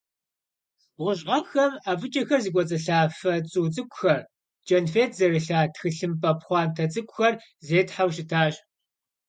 Бгъущӏ гъэхэм, ӏэфӏыкӏэхэр зыкӏуэцӏылъа фэ цӏу цӏыкӏухэр, кӏэнфет зэрылъа тхылъымпӏэ пхъуантэ цӏыкӏухэр зетхьэу щытащ.